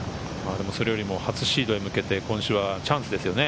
それよりも初シードへ向けて、今週はチャンスですよね。